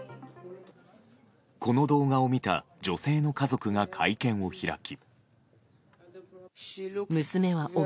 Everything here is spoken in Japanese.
この動画を見た女性の家族が会見を開き。